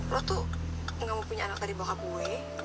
lo tuh gak mau punya anak dari bokaboy